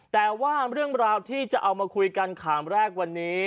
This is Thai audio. แต่ว่าเรื่องราวที่จะเอามาคุยกันขามแรกวันนี้